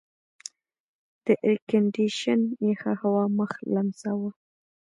د ایرکنډېشن یخه هوا مخ لمساوه.